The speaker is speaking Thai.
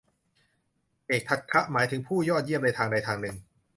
เอตทัคคะ หมายถึงผู้ยอดเยี่ยมในทางใดทางหนึ่ง